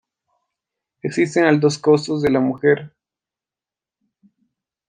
Existen altos costos de la violencia contra la mujer.